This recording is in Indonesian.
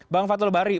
bang fatul bari